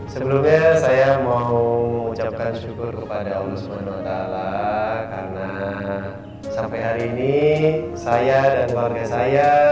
sebelumnya saya mau mengucapkan syukur kepada allah swt karena sampai hari ini saya dan keluarga saya